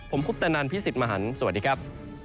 ผมคุปตะนันพี่สิทธิ์มหันฯสวัสดีครับ